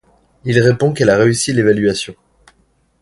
Il répond qu'elle a réussi l'évaluation.